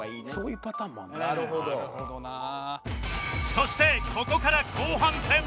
そしてここから後半戦